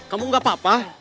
kamu gak apa apa